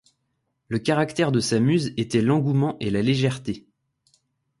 Le caractère de sa muse était l'engouement et la légèreté.